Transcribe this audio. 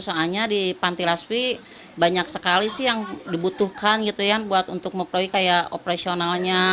soalnya di panti laswi banyak sekali sih yang dibutuhkan gitu ya buat untuk memproy kayak operasionalnya